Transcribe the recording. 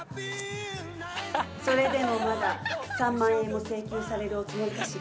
それでもまだ３万円も請求されるおつもりかしら？